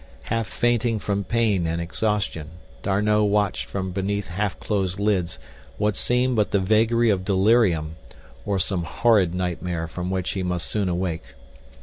Half fainting from pain and exhaustion, D'Arnot watched from beneath half closed lids what seemed but the vagary of delirium, or some horrid nightmare from which he must soon awake.